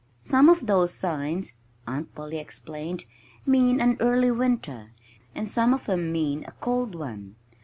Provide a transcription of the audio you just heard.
"Some of those signs," Aunt Polly explained, "mean an early winter; and some of 'em mean a cold one.